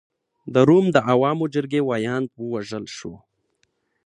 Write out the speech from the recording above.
د روم د عوامو جرګې ویاند ووژل شو.